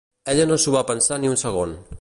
Ella no s’ho va pensar ni un segon.